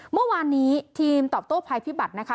เมื่อคืนทีมตอบโต้ภัยพิบัตรนะคะ